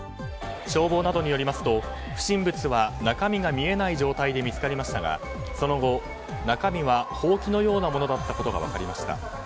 消防などによりますと不審物は中身が見えない状態で見つかりましたがその後、中身はほうきのようなものだったことが分かりました。